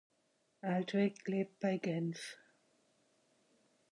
Altwegg lebt bei Genf.